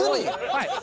はい。